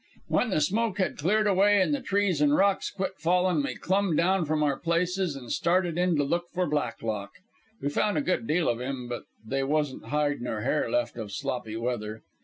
"When the smoke had cleared away an' the trees and rocks quit falling, we clumb down from our places an' started in to look for Black lock. We found a good deal of him, but they wasn't hide nor hair left of Sloppy Weather.